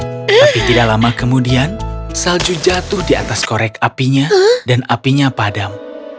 tapi tidak lama kemudian salju jatuh di atas korek apinya dan apinya padam